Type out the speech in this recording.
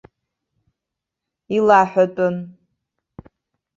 Илаҳәатәын.